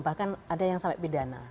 bahkan ada yang sampai pidana